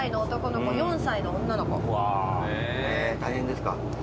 大変ですか？